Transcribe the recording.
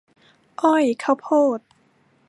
อ้อย ข้าวโพด